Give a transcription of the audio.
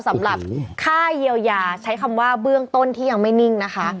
สำหรับค่าเยียวยาใช้คำว่าเบื้องต้นที่ยังไม่นิ่งนะคะ